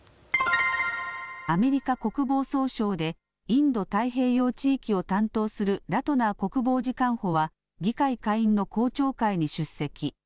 アメリカ国防総省でインド太平洋地域を担当するラトナー国防次官補は議会下院の公聴会に出席。